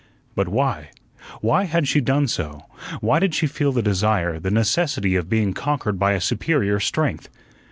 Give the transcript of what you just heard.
But why why had she done so? Why did she feel the desire, the necessity of being conquered by a superior strength?